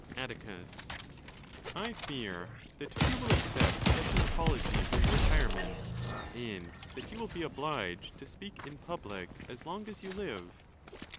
Attiews—I fear that few will accept such an apology for your retirement, and that you will be obliged to speak in public as long as you live.